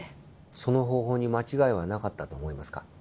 その方法に間違いはなかったと思いますか？